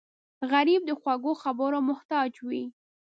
غریب د خوږو خبرو محتاج وي